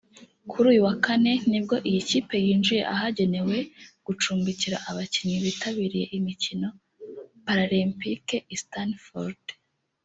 kuri uyu wa kane nibwo Iyi kipe yinjiye ahagenewe gucumbikira abakinnyi bitabiriye imikino Paralempike i Stanford